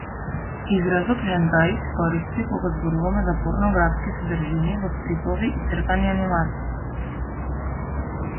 Изразот хентаи се користи кога зборуваме за порнографските содржини во стрипови и цртани анимации.